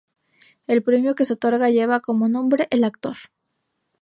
El premio que se otorga lleva como nombre "El actor".